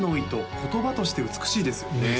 言葉として美しいですよね